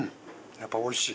やっぱおいしい。